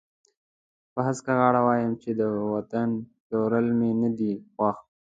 په هسکه غاړه وایم چې د وطن پلورل مې نه دي خوښ.